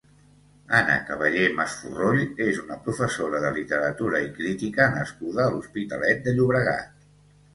Anna Caballé Masforroll és una professora de literatura i crítica nascuda a l'Hospitalet de Llobregat.